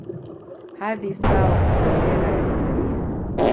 Hadhi sawa na Bendera ya Tanzania